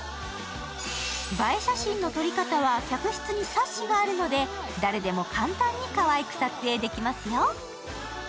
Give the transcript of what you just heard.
映え写真の撮り方は客室に冊子があるので誰でも簡単にかわいく撮影できますよ。